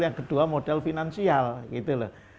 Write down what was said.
yang kedua modal finansial gitu loh